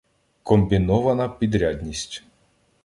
Комбінована підрядність